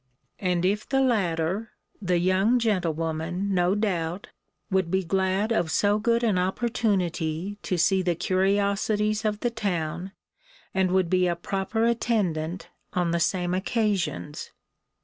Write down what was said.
And if the latter, the young gentlewoman, no doubt, would be glad of so good an opportunity to see the curiosities of the town, and would be a proper attendant on the same occasions.